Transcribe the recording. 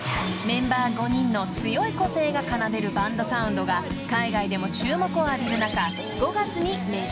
［メンバー５人の強い個性が奏でるバンドサウンドが海外でも注目を浴びる中］